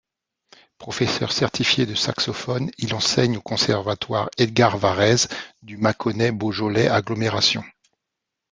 Professeur certifié de Saxophone, il enseigne au conservatoire Edgard Varèse, du Mâconnais Beaujolais Agglomération.